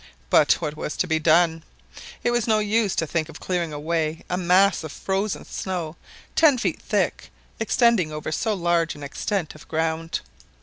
But what was to be done? It was no use to think of clearing away a mass of frozen snow ten feet thick, extending over so large an extent of ground.